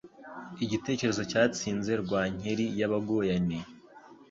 Igitero cyatsinze Rwankeli y'Abaguyane